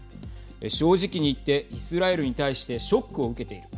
正直に言ってイスラエルに対してショックを受けている。